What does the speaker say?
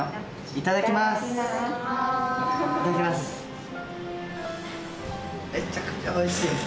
いただきます。